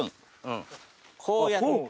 こうやって。